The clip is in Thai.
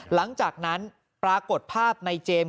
หลังจากนั้นปรากฏภาพในเจมส์